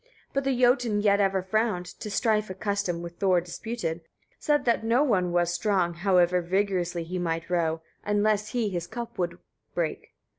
28. But the Jotun yet ever frowned, to strife accustomed, with Thor disputed, said that no one was strong, however vigorously he might row, unless he his cup could break.